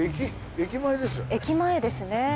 駅前ですね。